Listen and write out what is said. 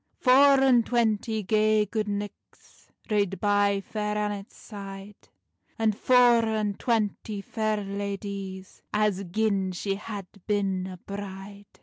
Four and twanty gay gude knichts Rade by Fair Annet's side, And four and twanty fair ladies, As gin she had bin a bride.